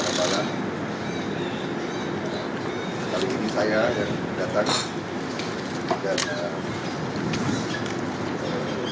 jangan lupa like share dan subscribe